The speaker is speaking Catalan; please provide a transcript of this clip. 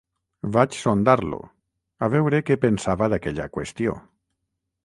Vaig sondar-lo, a veure què pensava d'aquella qüestió.